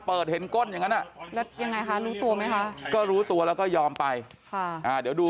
เปิดคลิปข่าวของเราเมื่อวานจากไทยรัฐมิวโชว์ให้ดู